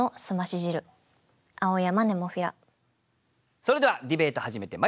それではディベート始めてまいりましょう。